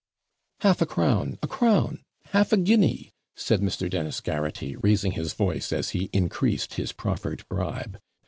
Half a crown! a crown! half a guinea!' said Mr. Dennis Garraghty, raising his voice, as he increased his proffered bribe.